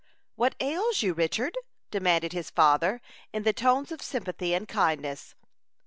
"What ails you, Richard?" demanded his father, in the tones of sympathy and kindness.